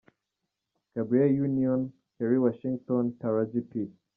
Gabrielle Union Kerry Washington Taraji P.